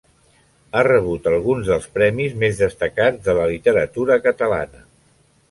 Ha rebut alguns dels premis més destacats de la literatura catalana.